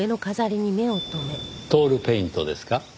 トールペイントですか？